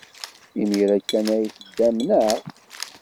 Imir-a kan ay teddam, naɣ?